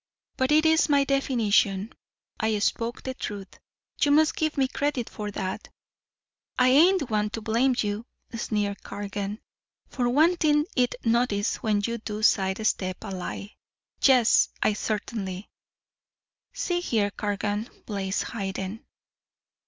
But it is my definition I spoke the truth. You must give me credit for that." "I ain't one to blame you," sneered Cargan, "for wanting it noticed when you do side step a lie. Yes, I certainly " "See here, Cargan," blazed Hayden.